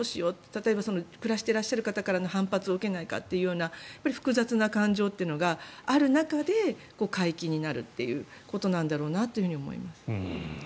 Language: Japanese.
例えば暮らしていらっしゃる方から反発を受けないかとか複雑な感情がある中で解禁になるということなんだと思います。